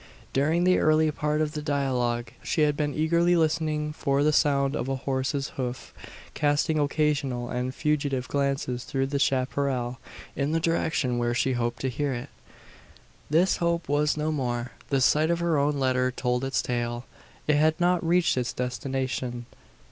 During the early part of the dialogue she had been eagerly listening for the sound of a horse's hoof casting occasional and furtive glances through the chapparal, in the direction where she hoped to hear it. This hope was no more. The sight of her own letter told its tale: it had not reached its destination.